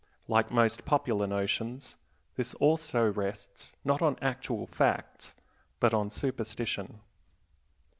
Like most popular notions this also rests not on actual facts, but on superstition.